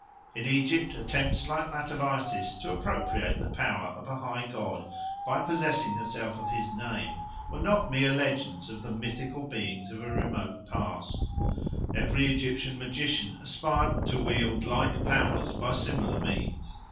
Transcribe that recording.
In Egypt attempts like that of Isis to appropriate the power of a high god by possessing herself of his name were not mere legends told of the mythical beings of a remote past; every Egyptian magician aspired to wield like powers by similar means.